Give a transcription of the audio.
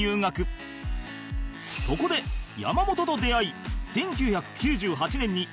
そこで山本と出会い